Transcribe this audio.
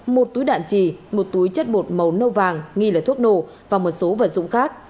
một túi đạn trì một túi chất bột màu nâu vàng nghi là thuốc nổ và một số vật dụng khác